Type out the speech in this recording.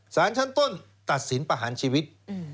สารชั้นต้นตัดสินประหารชีวิต